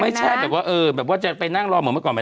ไม่ใช่แบบว่าเออแบบว่าจะไปนั่งรอเหมือนเมื่อก่อนไหม